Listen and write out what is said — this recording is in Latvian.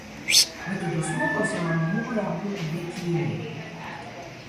Vai tu dusmotos, ja man mugurā būtu bikini?